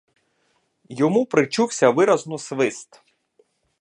Йому причувся виразно свист.